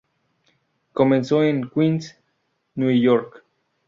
Comenzó en Queens, New York.